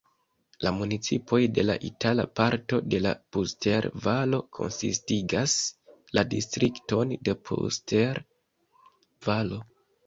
La municipoj de la itala parto de la Puster-Valo konsistigas la distrikton de Puster-Valo.